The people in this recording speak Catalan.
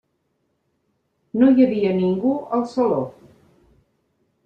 No hi havia ningú al saló.